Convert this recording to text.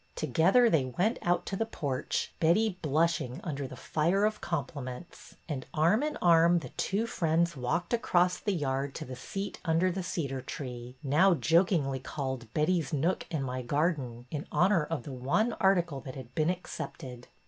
Together they went out to the porch, Betty blushing under the fire of compliments, and arm in arm the two friends walked across the yard to the seat under the cedar tree, now jokingly called Betty's Nook in My Garden," in honor of the one article that had been accepted.